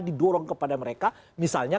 didorong kepada mereka misalnya